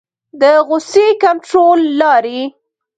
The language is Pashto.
د غصې کنټرول لارې